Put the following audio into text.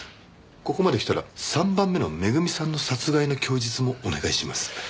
ここまで来たら３番目のめぐみさんの殺害の供述もお願いします。